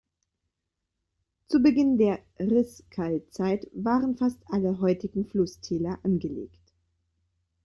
Zu Beginn der Riß-Kaltzeit waren fast alle heutigen Flusstäler angelegt.